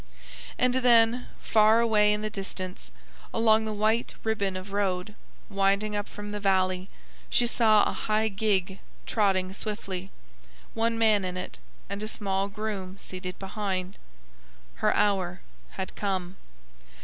And then far away in the distance, along the white ribbon of road, winding up from the valley, she saw a high gig, trotting swiftly; one man in it, and a small groom seated behind. Her hour had come.